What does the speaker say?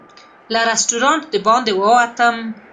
له رسټورانټ د باندې ووتم.